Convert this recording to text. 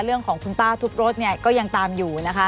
เรื่องของคุณป้าทุบรถเนี่ยก็ยังตามอยู่นะคะ